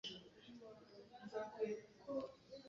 ku igihe muzahorane ibitekerezo byubaka